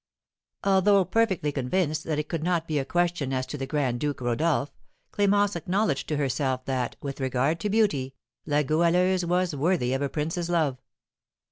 Although perfectly convinced that it could not be a question as to the Grand Duke Rodolph, Clémence acknowledged to herself that, with regard to beauty, La Goualeuse was worthy of a prince's love.